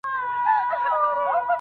غافل کړي دي؟